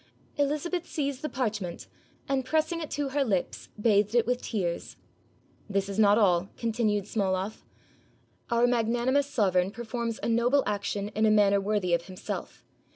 Elizabeth seized the parchment and, pressing it to her i8o HOW PARDON WAS WON FOR AN EXILE lips, bathed it with tears. "This is not all," continued Smoloff, "our magnanimous sovereign performs a noble action in a manner worthy of himself.